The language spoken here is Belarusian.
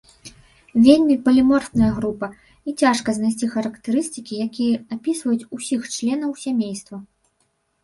Вельмі паліморфная група, і цяжка знайсці характарыстыкі, якія апісваюць ўсіх членаў сямейства.